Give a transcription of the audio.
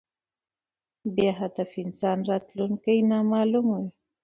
بی هدف انسان راتلونکي نامعلومه وي